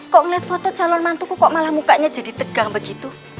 kok ngeliat foto calon mantuku kok malah mukanya jadi tegang begitu